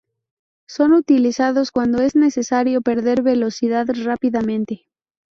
Son utilizados cuando es necesario perder velocidad rápidamente.